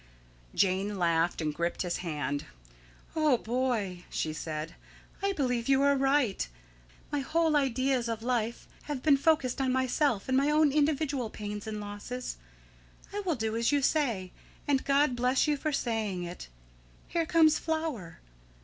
Jane laughed, and gripped his hand. "Oh, boy," she said, "I believe you are right. My whole ideas of life have been focussed on myself and my own individual pains and losses. I will do as you say; and God bless you for saying it. Here comes Flower.